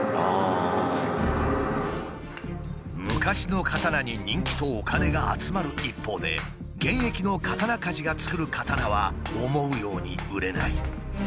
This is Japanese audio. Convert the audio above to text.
昔の刀に人気とお金が集まる一方で現役の刀鍛冶が作る刀は思うように売れない。